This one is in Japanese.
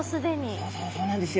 そうそうそうなんですよ。